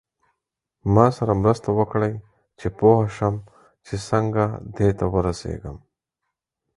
ما سره مرسته وکړئ چې پوه شم چې څنګه دې ته ورسیږم.